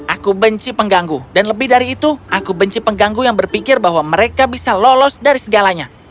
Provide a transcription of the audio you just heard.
aku benci pengganggu dan lebih dari itu aku benci pengganggu yang berpikir bahwa mereka bisa lolos dari segalanya